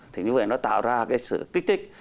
thì như vậy nó tạo ra cái sự kích thích